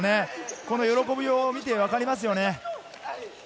この喜びを見てわかりますよね。